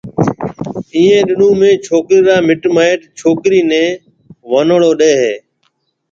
ايئيَ ڏنون ۾ ڇوڪرَي را مِٽ مائيٽ ڇوڪرَي نيَ ونوݪو ڏَي ھيََََ